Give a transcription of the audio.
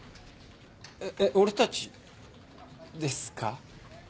えっ俺たちですか？